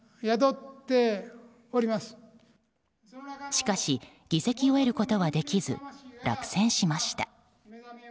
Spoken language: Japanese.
しかし議席を得ることはできず落選しました。